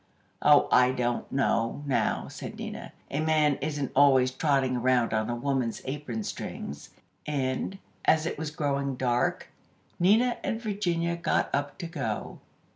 "Oh, I don't know, now," said Nina. "A man isn't always trotting around on a woman's apron strings," and, as it was growing dark, Nina and Virginia got up to go.